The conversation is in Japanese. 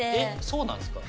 そうなんですか？